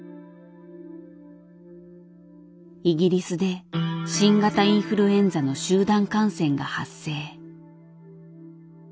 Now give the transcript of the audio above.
イギリスで新型インフルエンザの集団感染が発生。